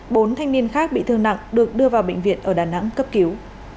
bốn thanh niên khác bị thương nặng được đưa vào bệnh viện ở đà nẵng cấp cứu